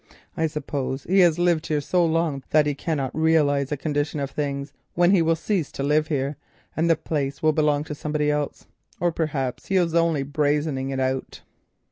I suppose he has lived here so long that he cannot realise a condition of things under which he will cease to live here and the place will belong to somebody else. Or perhaps he is only brazening it out."